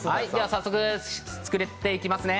早速作っていきますね。